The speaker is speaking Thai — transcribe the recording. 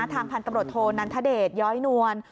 ทางพันกบริโธนนันทเดชย้อยน้วน